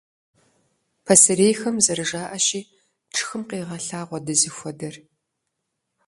Пасэрейхэм зэрыжаӀащи, «тшхым къегъэлъагъуэ дызыхуэдэр».